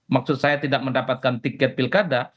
maksud saya tidak mendapatkan tiket pilkada